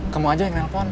kamu aja yang nelfon